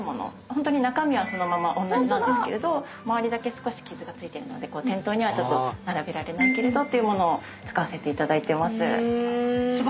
ホントに中身はそのままおんなじなんですけれど周りだけ傷が付いてるので店頭には並べられないけれどっていう物を使わせていただいてます。